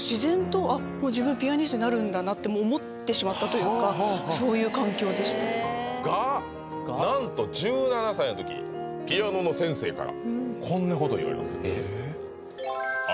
なので何かって思ってしまったというかそういう環境でしたがなんと１７歳の時ピアノの先生からこんなことを言われます